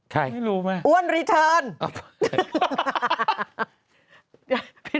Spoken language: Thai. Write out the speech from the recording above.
ใครอ้วนรีเทิร์นไม่รู้แม่